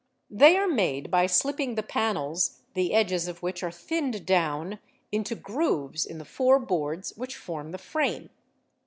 They are made by slipping the panels, the edges of which | are thinned down, into grooves in the four boards which form the frame.